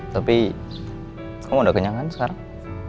tapi kamu udah kenyang kan sekarang